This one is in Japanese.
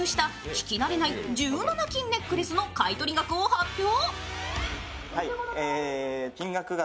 聞き慣れない１７金ネックレスの買い取り額を発表。